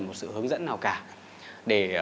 một sự hướng dẫn nào cả để